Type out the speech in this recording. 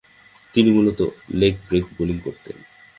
তিনি মূলতঃ leg break bowling করতেন।